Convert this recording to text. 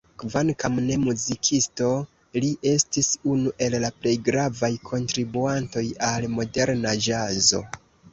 Kvankam ne muzikisto, li estis unu el la plej gravaj kontribuantoj al moderna ĵazo.